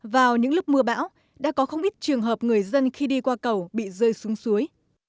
vào những lúc mưa bão đã có không ít trường hợp người dân khi đi qua cầu bị rơi xuống suối